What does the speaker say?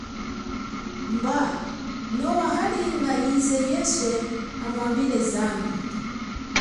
Mba noa yalinga yize yeswe amwambile zambi.